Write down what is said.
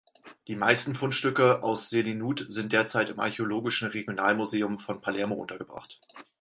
Die meisten Fundstücke aus Selinunt sind derzeit im Archäologischen Regionalmuseum von Palermo untergebracht.